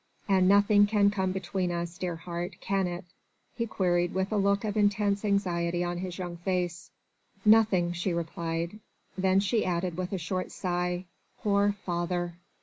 and nothing can come between us, dear heart, can it?" he queried with a look of intense anxiety on his young face. "Nothing," she replied. Then she added with a short sigh: "Poor father!"